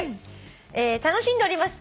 「楽しんでおります」